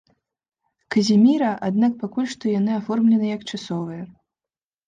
Казіміра, аднак пакуль што яны аформлены як часовыя.